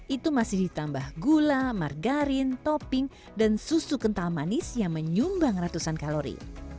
itu masih ditambah gula margarin topping dan susu kental manis yang menyumbang ratusan kalori